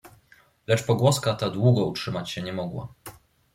"Lecz pogłoska ta długo utrzymać się nie mogła."